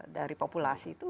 dari populasi itu